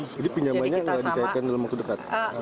jadi pinjamannya tidak dicaikan dalam waktu dekat